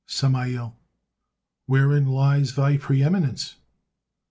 Samael: "Wherein lies thy preeminence?"